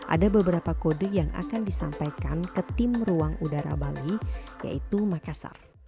ada beberapa kode yang akan disampaikan ke tim ruang udara bali yaitu makassar